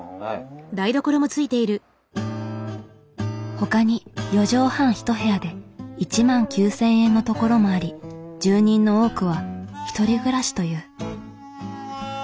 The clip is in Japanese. ほかに４畳半１部屋で１万９，０００円のところもあり住人の多くは１人暮らしという。